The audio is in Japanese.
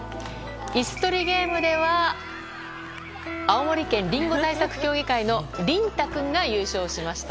椅子取りゲームでは青森県りんご対策協議会のりん太君が優勝しました。